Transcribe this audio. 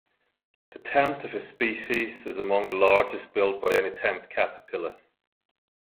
The tent of this species is among the largest built by any tent caterpillar.